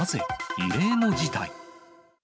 異例の事態。